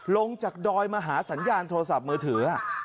ลงจากดอยมาหาสัญญาณโทรศัพท์มือถือ